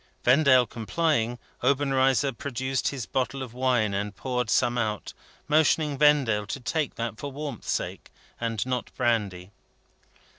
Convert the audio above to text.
Vendale complying, Obenreizer produced his bottle of wine, and poured some out, motioning Vendale to take that for warmth's sake, and not brandy.